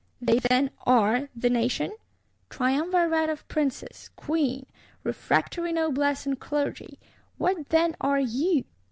_ They, then, are the Nation? Triumvirate of Princes, Queen, refractory Noblesse and Clergy, what, then, are _you?